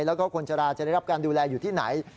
แล้วก็คนชะลาจะได้รับการดูแลอยู่ที่ไหน